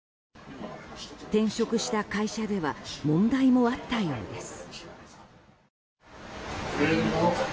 転職した会社では問題もあったようです。